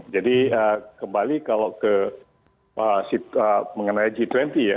jadi kembali kalau ke mengenai g dua puluh ya